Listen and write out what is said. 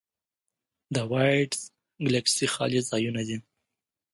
د وایډز ګلکسي خالي ځایونه دي.